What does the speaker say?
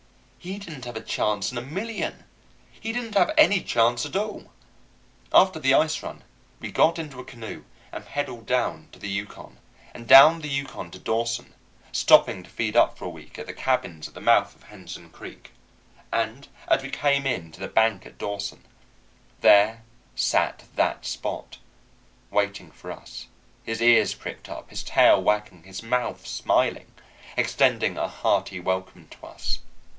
He didn't have a chance in a million. He didn't have any chance at all. After the ice run, we got into a canoe and paddled down to the Yukon, and down the Yukon to Dawson, stopping to feed up for a week at the cabins at the mouth of Henderson Creek. And as we came in to the bank at Dawson, there sat that Spot, waiting for us, his ears pricked up, his tail wagging, his mouth smiling, extending a hearty welcome to us.